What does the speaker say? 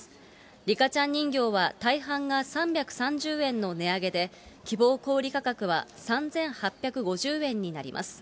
リカちゃん人形は、大半が３３０円の値上げで、希望小売り価格は３８５０円になります。